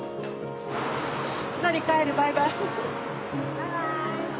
バイバイ。